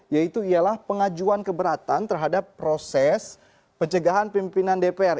yaitu ialah pengajuan keberatan terhadap proses pencegahan pimpinan dpr